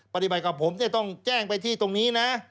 ปฏิบัติกับผมต้องแจ้งไปที่ตรงนี้นะ